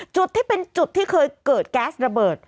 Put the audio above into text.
จุดที่เป็นจุดที่เคยเกิดแก๊สระเบิด